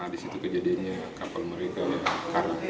di situ kejadiannya kapal mereka karam